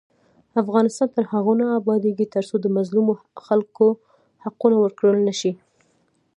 افغانستان تر هغو نه ابادیږي، ترڅو د مظلومو خلکو حقونه ورکړل نشي.